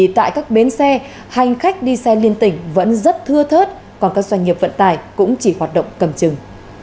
tại các bến xe hành khách đi xe liên tỉnh vẫn rất thưa thớt còn các doanh nghiệp vận tải cũng chỉ hoạt động cầm chừng